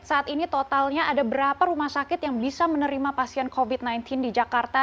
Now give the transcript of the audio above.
saat ini totalnya ada berapa rumah sakit yang bisa menerima pasien covid sembilan belas di jakarta